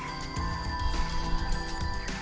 menyuguhkan pemandangan tidak terlupakan